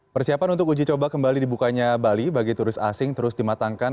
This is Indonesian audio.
persiapan untuk uji coba kembali dibukanya bali bagi turis asing terus dimatangkan